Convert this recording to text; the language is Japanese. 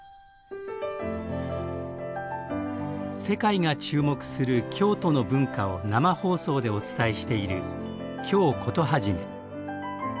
世界が注目する京都の文化を生放送でお伝えしている「京コトはじめ」。